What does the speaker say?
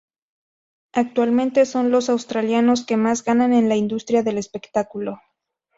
Actualmente, son los australianos que más ganan en la industria del espectáculo.